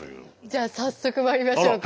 じゃあ早速まいりましょうか。